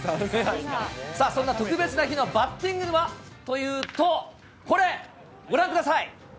さあ、そんな特別な日のバッティングはというと、これ、ご覧ください。